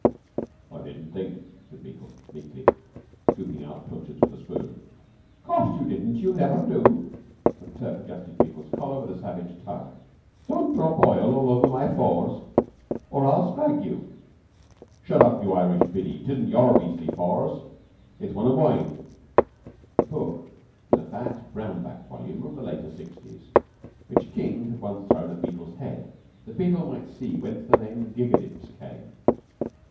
"I didn't think," said Beetle, meekly, scooping out pilchards with a spoon. "Course you didn't. You never do." McTurk adjusted Beetle's collar with a savage tug. "Don't drop oil all over my 'Fors' or I'll scrag you!" "Shut up, you you Irish Biddy! 'Tisn't your beastly 'Fors.' It's one of mine." The book was a fat, brown backed volume of the later Sixties, which King had once thrown at Beetle's head that Beetle might see whence the name Gigadibs came.